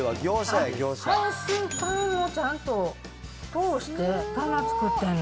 排水管もちゃんと通して棚作ってんの？